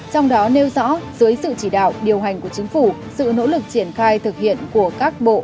trong đó nêu rõ dưới sự chỉ đạo điều hành của chính phủ sự nỗ lực triển khai thực hiện của các bộ